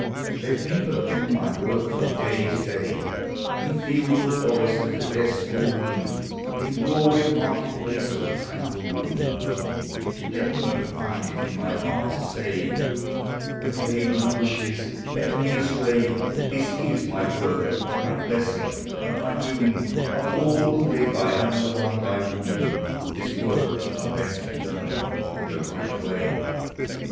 Let me bul do my work from day to day, In field or forest, at the desk <>i loom, In roaring market place, or tranquil room; Let me bul find it in my bear! to ij , When vagrant wishes beckon me •— "This is my work ; mj blessing, not my do» Of all who live, I am the our b> whom This work can besl be done, in the righl wa ."